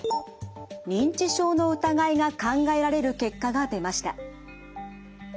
認知症の疑いが考えられる結果が出ました。